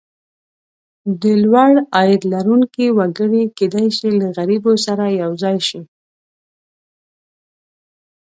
د لوړ عاید لرونکي وګړي کېدای شي له غریبو سره یو ځای شي.